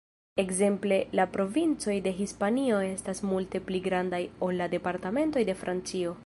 Ekzemple la provincoj de Hispanio estas multe pli grandaj ol la departementoj de Francio.